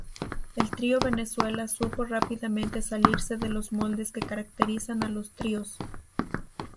El Trío Venezuela supo rápidamente salirse de los moldes que caracterizan a los tríos.